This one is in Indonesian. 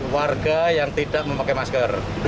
dua puluh delapan warga yang tidak memakai masker